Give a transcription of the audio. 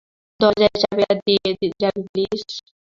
দরজার চাবিটা দিয়ে যাবি প্লিজ।